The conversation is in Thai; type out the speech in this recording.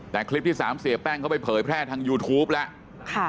แต่คลิปที่๓เสียแป้งเขาไปเผยแพร่ทางยูทูปแล้ว